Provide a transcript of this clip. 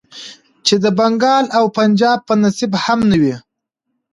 چې د بنګال او پنجاب په نصيب هم نه وې.